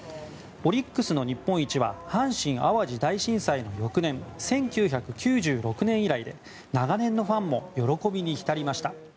オリックスの日本一は阪神・淡路大震災の翌年１９９６年以来で長年のファンも喜びに浸りました。